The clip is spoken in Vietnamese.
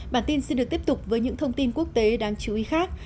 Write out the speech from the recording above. bản tin xin được tiếp tục với những thông tin quốc tế đáng chú ý khác